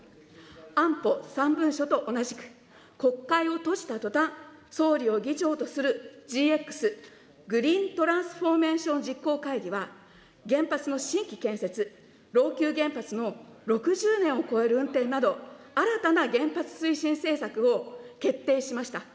安保３文書と同じく、国会を閉じたとたん、総理を議長とするＧＸ・グリーントランスフォーメーション実行会議は、原発の新規建設、老朽原発の６０年を超える運転など、新たな原発推進政策を決定しました。